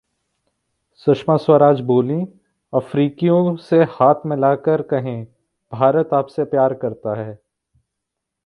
सुषमा स्वराज बोलीं- अफ्रीकियों से हाथ मिलाकर कहें, भारत आपसे प्यार करता है